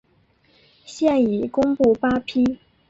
现已公布八批。